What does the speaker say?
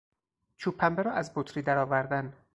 چوب پنبه را از بطری درآوردن